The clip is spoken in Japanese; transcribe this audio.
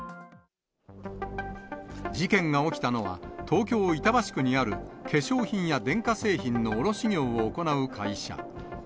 事件が起きたのは、東京・板橋区にある化粧品や電化製品の卸業を行う会社。